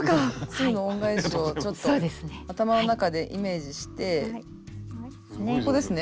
「鶴の恩返し」をちょっと頭の中でイメージしてここですね。